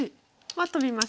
はトビます。